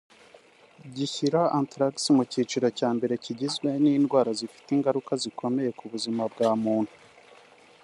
gishyira anthrax mu cyiciro cya mbere kigizwe n’indwara zifite ingaruka zikomeye ku buzima bwa muntu